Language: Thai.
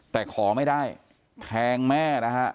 แต่ขอไม่ได้แทงแม่นะฮะ